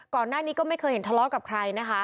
ก่อนหน้านี้ก็ไม่เคยเห็นทะเลาะกับใครนะคะ